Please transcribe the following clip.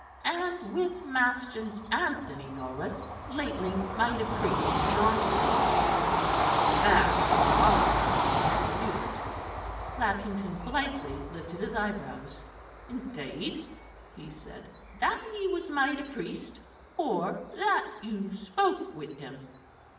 "And with Master Anthony Norris, lately made a priest beyond the seas." "That is a lie," said Hubert. Lackington politely lifted his eyebrows. "Indeed?" he said. "That he was made a priest, or that you spoke with him?"